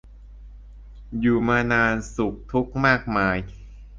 อยู่มานานสุขทุกข์มากมาย